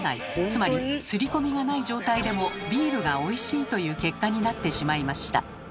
つまり刷り込みがない状態でもビールがおいしいという結果になってしまいました。